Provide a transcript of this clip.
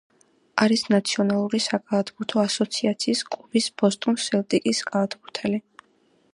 არის ნაციონალური საკალათბურთო ასოციაციის კლუბის ბოსტონ სელტიკსის კალათბურთელი.